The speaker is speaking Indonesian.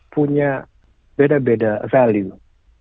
punya beda beda value